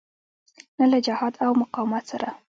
نه له جهاد او مقاومت سره.